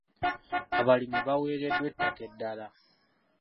Abalimi baweereddwa ettaka eddala.